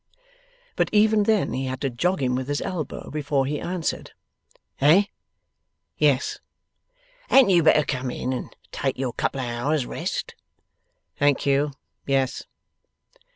But, even then he had to jog him with his elbow before he answered. 'Eh? Yes.' 'Hadn't you better come in and take your couple o' hours' rest?' 'Thank you. Yes.